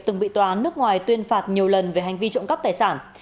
từng bị tòa án nước ngoài tuyên phạt nhiều lần về hành vi trộm cắp tài sản